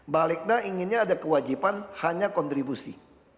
balikda inginnya ada kewajiban hanya kontribusi